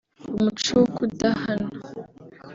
umuco wo kudahana